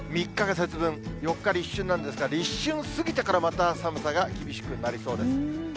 ３日が節分、４日立春なんですが、立春過ぎてからまた寒さが厳しくなりそうです。